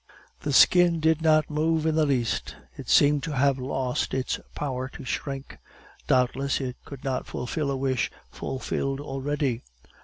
The skin did not move in the least; it seemed to have lost its power to shrink; doubtless it could not fulfil a wish fulfilled already.